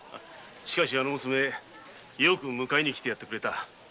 しかしあの娘よく迎えに来てやってくれた。